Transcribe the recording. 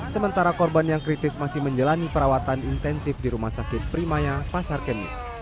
sementara korban yang kritis masih menjalani perawatan intensif di rumah sakit primaya pasar kemis